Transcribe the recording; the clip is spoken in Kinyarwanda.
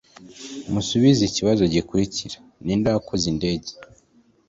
Musubize ikibazo gikurikira ninde wakoze indege